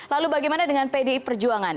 lalu bagaimana dengan pdi perjuangan